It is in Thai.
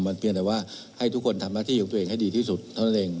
มันเพียงแต่ว่าให้ทุกคนทำหน้าที่ของตัวเองให้ดีที่สุดเท่านั้นเอง